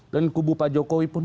kubu pak jokowi pun